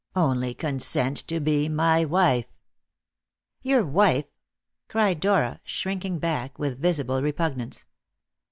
Only consent to be my wife." "Your wife!" cried Dora, shrinking back with visible repugnance.